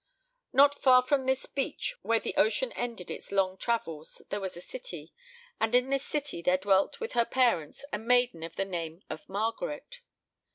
Not far from this beach where the ocean ended its long travels there was a city, and in this city there dwelt with her parents a maiden of the name of Margaret.